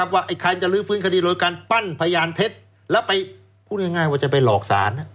ว่าใครจะลื้อฟื้นคดีโดยการปั้นพยานเท็จแล้วไปพูดง่ายว่าจะไปหลอกศาล